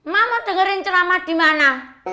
mak mau dengerin ceramah di mana